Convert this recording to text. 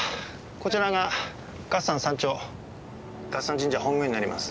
こちらが月山山頂月山神社本宮になります。